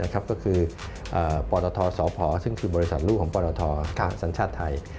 ก็คือปรทสพซึ่งคือบริษัทลูกของปรทสัญชาติไทย